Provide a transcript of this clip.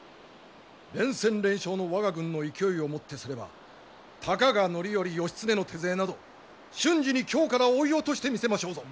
連戦連勝の我が軍の勢いをもってすればたかが範頼義経の手勢など瞬時に京から追い落としてみせましょうぞ！